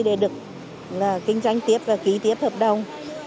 để được kinh doanh tiếp và ký tiếp hợp đồng